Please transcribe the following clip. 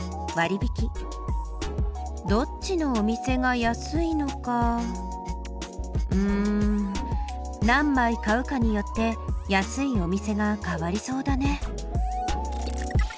どっちのお店が安いのかうん何枚買うかによって安いお店が変わりそうだね。